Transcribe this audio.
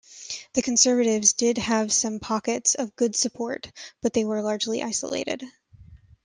The Conservatives did have some pockets of good support, but they were largely isolated.